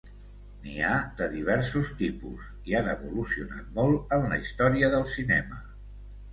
N'hi ha de diversos tipus i han evolucionat molt en la història del cinema.